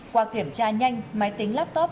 qua kiểm tra nhanh máy tính laptop